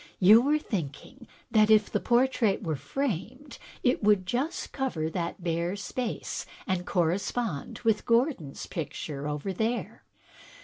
You were thinking that if the portrait were framed it would just cover that bare space and correspond with Gordon's picture over there."